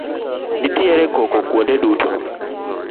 Nitiere koko kuonde duto.